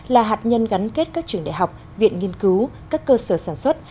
là hạt nhân gắn kết các trường đại học viện nghiên cứu các cơ sở sản xuất